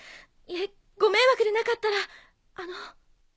いえご迷惑でなかったらあの。